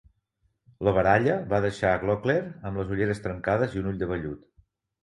La baralla va deixar a Glockler amb les ulleres trencades i un ull de vellut.